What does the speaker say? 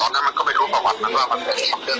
มันเป็นเพื่อนพี่แล้วมันก็อยู่อยู่เหมือนว่าตอนนั้น